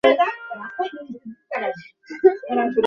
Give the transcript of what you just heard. পরবর্তীতে কাবার দিকে ফিরে নামাজ পড়তে আল্লাহ আদেশ করেন।